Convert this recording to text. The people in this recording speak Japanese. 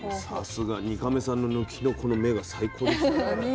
さすが２カメさんの抜きのこの目が最高です。